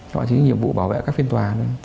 nó chính là nhiệm vụ bảo vệ các phiên tòa